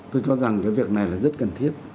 tôi cho rằng cái việc này là rất cần thiết